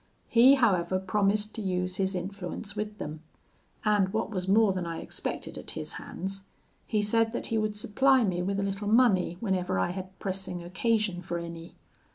He, however, promised to use his influence with them; and, what was more than I expected at his hands, he said that he would supply me with a little money whenever I had pressing occasion for any.